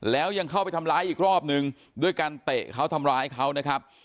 แล้วยังเข้าไปทำร้ายอีกรอบนึงด้วยการเตะเขาทำร้ายเขานะครับ